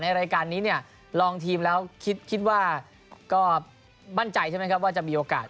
รายการนี้เนี่ยลองทีมแล้วคิดว่าก็มั่นใจใช่ไหมครับว่าจะมีโอกาส